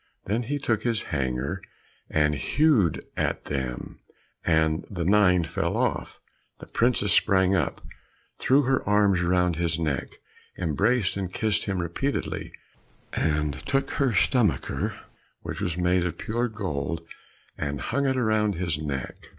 Then he took his hanger and hewed at them, and the nine fell off. The princess sprang up, threw her arms round his neck, embraced and kissed him repeatedly, and took her stomacher, which was made of pure gold, and hung it round his neck.